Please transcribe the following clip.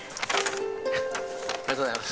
ありがとうございます。